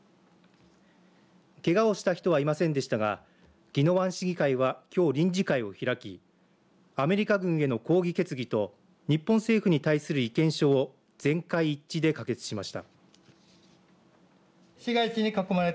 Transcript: けがをした人はいませんでしたが宜野湾市議会はきょう臨時会を開きアメリカ軍への抗議決議と日本政府に対する意見書を全会一致で可決しました。